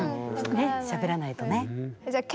ねっしゃべらないとね。